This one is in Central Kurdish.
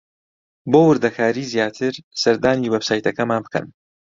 بۆ وردەکاریی زیاتر سەردانی وێبسایتەکەمان بکەن.